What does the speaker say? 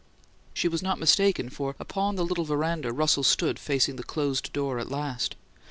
She was not mistaken, for, upon the little veranda, Russell stood facing the closed door at last.